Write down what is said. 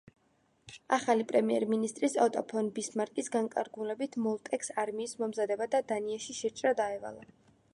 ახალი პრემიერ-მინისტრის, ოტო ფონ ბისმარკის განკარგულებით, მოლტკეს არმიის მომზადება და დანიაში შეჭრა დაევალა.